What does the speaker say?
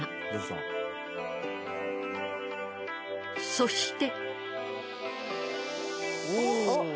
そして。